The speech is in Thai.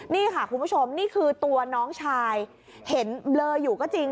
นี่ค่ะคุณผู้ชมนี่คือตัวน้องชายเห็นเบลออยู่ก็จริง